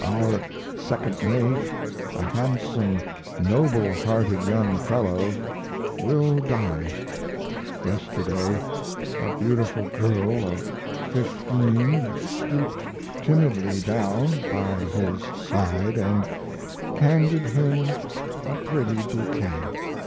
Our second mate, a handsome, noble hearted young fellow, will die. Yesterday a beautiful girl of 15 stooped timidly down by his side and handed him a pretty bouquet.